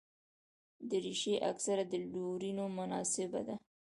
دریشي اکثره د لورینو مناسبو ده.